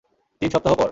তিন সপ্তাহ পর।